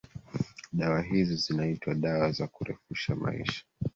dawa hizo zinaitwa dawa za kurefusha maisha